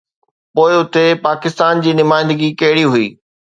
پوءِ اتي پاڪستان جي نمائندگي ڪهڙي هئي؟